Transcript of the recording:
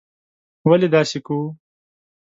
ولې داسې کوو.